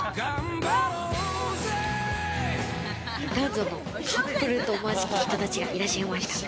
男女のカップルとおぼわしき人たちがいらっしゃいました。